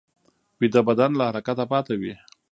ویده بدن له حرکته پاتې وي